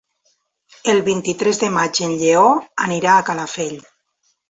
El vint-i-tres de maig en Lleó anirà a Calafell.